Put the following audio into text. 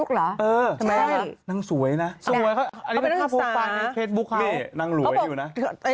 เจ้าของเฟซบุ๊คหรือ